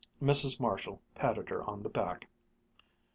Mrs. Marshall patted her on the back.